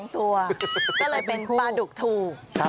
๒ตัวก็เลยเป็นปลาดุกถูก